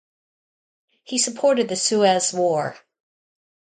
He supported the Suez War.